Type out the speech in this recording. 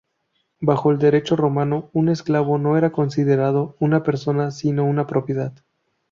Bajo el Derecho romano un esclavo no era considerado una persona, sino una propiedad.